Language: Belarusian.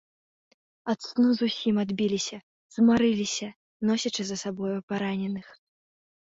Ад сну зусім адбіліся, змарыліся, носячы за сабою параненых.